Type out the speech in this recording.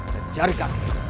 dan jari kaki